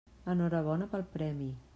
Enhorabona pel premi.